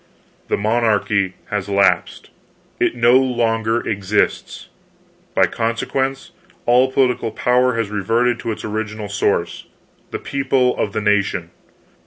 The monarchy has lapsed, it no longer exists. By consequence, all political power has reverted to its original source, the people of the nation.